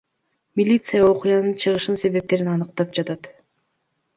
Милиция окуянын чыгышынын себептерин аныктап жатат.